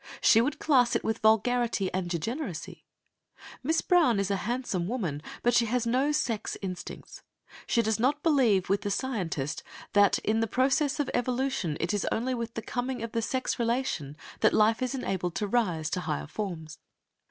She would class it with vulgarity and degeneracy. Miss Brown is a handsome woman, but she has no sex instincts. She does not believe with the scientist, "that in the process of evolution it is only with the coming of the sex relation that life is enabled to rise to higher forms."